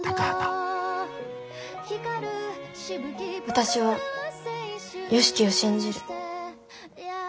私は良樹を信じる。